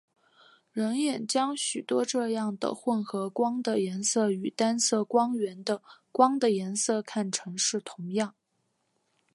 人眼将许多这样的混合光的颜色与单色光源的光的颜色看成是同样。